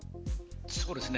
そうですね。